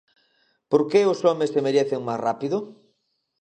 Por que os homes envellecen máis rápido?